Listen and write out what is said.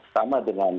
sama dengan ini